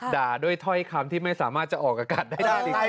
ด่าด้วยถ้อยคำที่ไม่สามารถจะออกอากาศได้จริง